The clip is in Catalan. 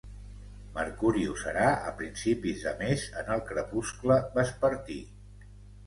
Mercuri ho serà a principis de mes en el crepuscle vespertí